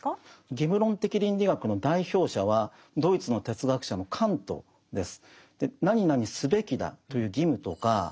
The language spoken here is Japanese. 義務論的倫理学の代表者はドイツの哲学者のカントです。